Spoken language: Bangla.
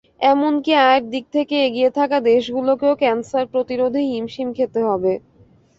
এমনকি আয়ের দিক থেকে এগিয়ে থাকা দেশগুলোকেও ক্যানসার প্রতিরোধে হিমশিম খেতে হবে।